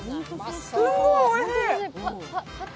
すごいおいしい。